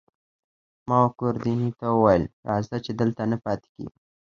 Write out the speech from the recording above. ما وه ګوردیني ته وویل: راځه، چې دلته نه پاتې کېږو.